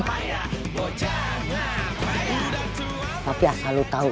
tapi asal lu tahu